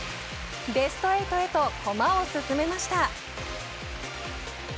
ベスト８へと駒を進めました。